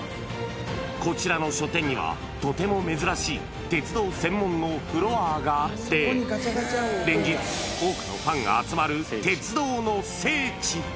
こちらの書店には、とても珍しい鉄道専門のフロアがあって、連日、多くのファンが集まる鉄道の聖地。